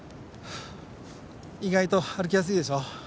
意外と歩きやすいでしょう。